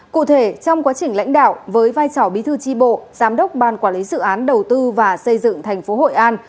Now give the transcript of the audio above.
cụ thể trong quá trình lãnh đạo với vai trò bí thư tri bộ giám đốc ban quản lý dự án đầu tư và xây dựng tp hội an